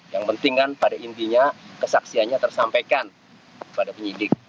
yang penting kan pada intinya kesaksiannya tersampaikan pada penyidik